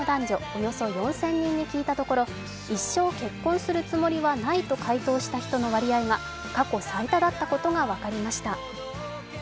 およそ４０００人に聞いたところ「一生結婚するつもりはない」と回答した人の割合が過去最多だったことが分かりました。